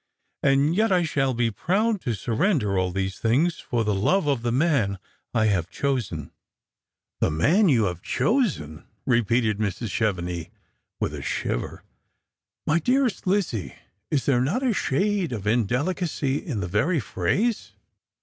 And yet I shall be proud to surrender all these things for the love of the ma» I have chosen." r 162 Strangers and I'ilgrims, " The man you have chosen !" repeated Mrs. Chevenix, with a shiver. " My dearest Lizzie, is there not a shade of indelicacy in the very ph rase